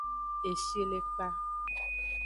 Eshilekpa.